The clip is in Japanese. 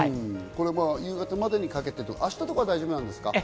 夕方までにかけて、明日は大丈夫ですか？